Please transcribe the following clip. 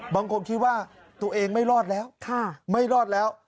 บางคนคิดว่าตัวเองไม่รอดแล้วไม่รอดแล้ว